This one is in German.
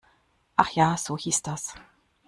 Ach ja, so hieß das.